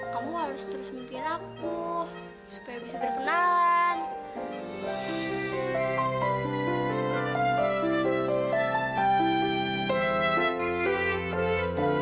kamu harus terus mimpiin aku